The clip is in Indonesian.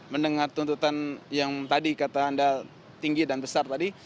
mendengar tuntutan yang tadi kata anda tinggi dan besar tadi